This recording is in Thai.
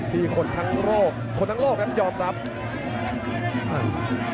ที่คนทั้งโลกคนทั้งโลกครับยอมรับ